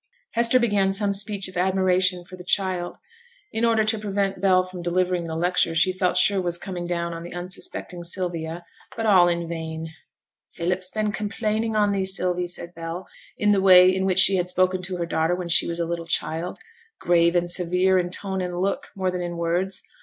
Hester began some speech of admiration for the child in order to prevent Bell from delivering the lecture she felt sure was coming down on the unsuspecting Sylvia; but all in vain. 'Philip's been complaining on thee, Sylvie,' said Bell, in the way in which she had spoken to her daughter when she was a little child; grave and severe in tone and look, more than in words.